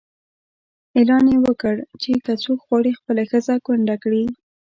اعلان یې وکړ چې که څوک غواړي خپله ښځه کونډه کړي.